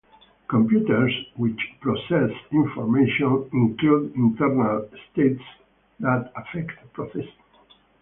Computers, which process information, include internal states that affect processing.